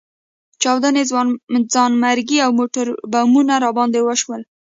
چاودنې، ځانمرګي او موټربمونه راباندې وشول.